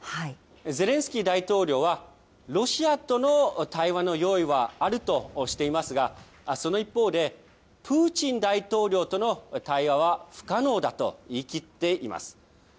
ゼレンスキー大統領はロシアとの対話の用意はあるとしていますが、その一方で、プーチン大統領との対話は不可能だと言い切っています。